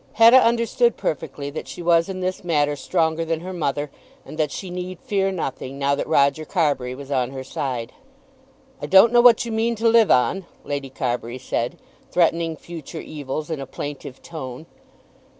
Hetta understood perfectly that she was in this matter stronger than her mother and that she need fear nothing, now that Roger Carbury was on her side. "I don't know what you mean to live on," Lady Carbury said, threatening future evils in a plaintive tone.